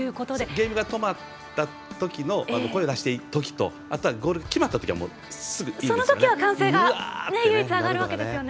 ゲームが止まったときの声がしていいときとあとはゴールが決まったときはいいんですよね。